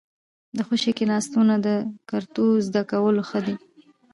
ـ د خوشې کېناستو نه د کرتو زدولو ښه دي.